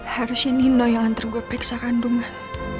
harusnya nino yang nanti gue periksa kandungan